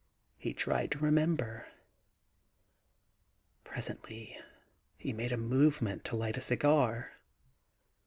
. He tried to remember. ... Presently he made a movement to light a cigar.